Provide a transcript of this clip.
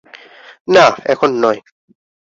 না, এখন নয়।